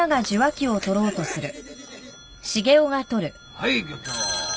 はい漁協。